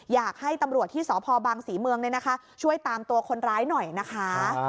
อยากให้ตำรวจที่สพบังศรีเมืองช่วยตามตัวคนร้ายหน่อยนะคะ